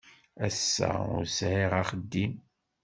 Ass-a ur sɛiɣ axeddim.